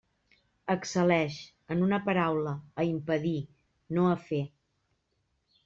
Excel·leix, en una paraula, a impedir, no a fer.